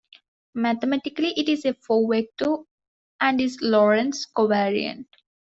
Mathematically it is a four-vector, and is Lorentz covariant.